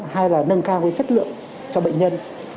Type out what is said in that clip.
hay là nâng cao cái chất lượng cho bệnh nhân